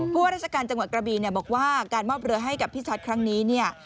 ผู้ว่าราชการจังหวัดกระบี่บอกว่าการมอบเรือให้กับพี่ชัดครั้งนี้